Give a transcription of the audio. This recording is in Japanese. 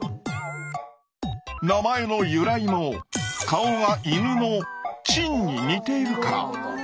名前の由来も顔が犬の「狆」に似ているから。